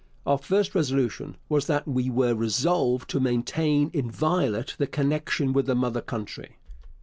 Our first resolution was that we were resolved to maintain inviolate the connection with the mother country.